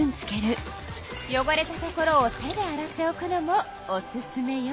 よごれたところを手で洗っておくのもおすすめよ。